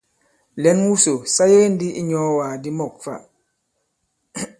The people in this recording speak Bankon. Lɛ̌n wusò sa yege ndī i inyɔ̄ɔwàk di mɔ̂k fa.